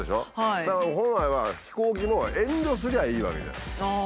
だから本来は飛行機も遠慮すりゃいいわけじゃん。